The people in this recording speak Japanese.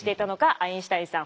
アインシュタインさん！